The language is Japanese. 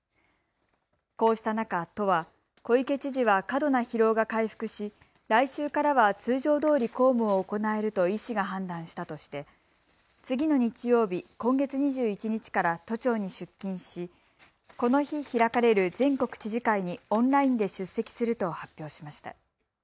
こうした中、都は小池知事は過度な疲労が回復し来週からは通常どおり公務を行えると医師が判断したとして次の日曜日、今月２１日から都庁に出勤しこの日、開かれる全国知事会にオンラインで出席すると発表しました。